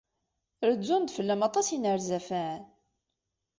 Rezzun-d fell-am aṭas n yinerzafen?